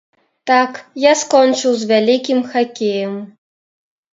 Так, я скончыў з вялікім хакеем.